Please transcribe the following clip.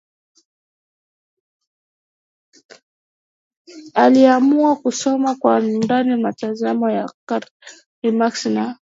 Aliamua kusoma kwa undani mitazamo ya Karl Marx na